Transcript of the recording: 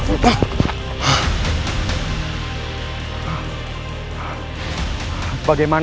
aku harus pergi dari sini